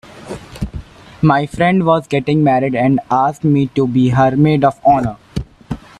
My friend was getting married and asked me to be her maid of honor.